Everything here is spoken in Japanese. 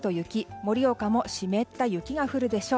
盛岡も湿った雪が降るでしょう。